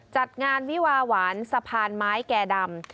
จัดงานวิวาหวานสะพานไม้แก่ดำ